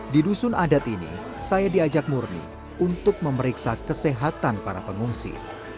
di dusun adat ini saya diajak murni untuk memeriksa kesehatan para pengungsi